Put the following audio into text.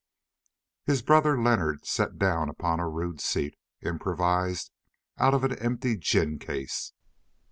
His brother Leonard sat down upon a rude seat, improvised out of an empty gin case.